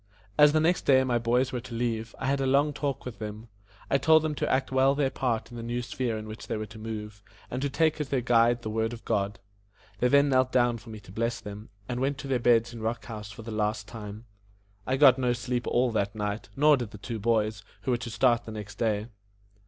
As the next day my boys were to leave me, I had a long talk with them. I told them to act well their part in the new sphere in which they were to move, and to take as their guide the Word of God. They then knelt down for me to bless them, and went to their beds in Rock House for the last time. I got no sleep all that night, nor did the two boys, who were to start the next day.